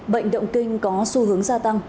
bệnh động kinh có xu hướng gia tăng